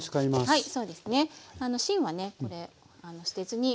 はい。